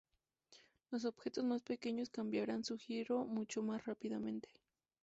Los objetos más pequeños cambiarán su giro mucho más rápidamente.